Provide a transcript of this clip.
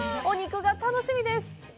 お肉が楽しみです。